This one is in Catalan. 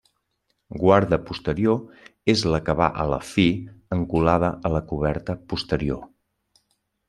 Guarda posterior, és la que va a la fi, encolada a la coberta posterior.